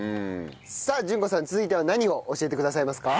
さあ順子さん続いては何を教えてくださいますか？